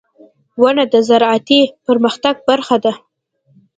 • ونه د زراعتي پرمختګ برخه ده.